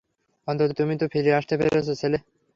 অন্তত, তুমি তো ফিরে আসতে পেরেছ, ছেলে!